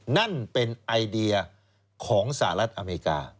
นั่นเป็นไอเดียของสหรัฐอเมริกา